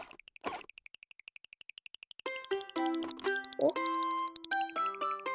おっ！